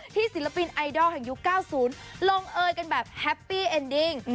ศิลปินไอดอลแห่งยุค๙๐ลงเอยกันแบบแฮปปี้เอ็นดิ้ง